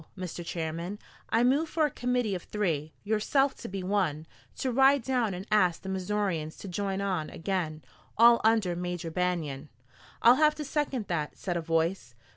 Mister Chairman, I move for a committee of three, yourself to be one, to ride down and ask the Missourians to join on again, all under Major Banion." "I'll have to second that," said a voice.